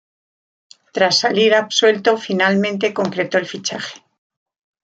Tras salir absuelto finalmente concretó el fichaje.